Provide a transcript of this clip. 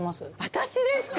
私ですか？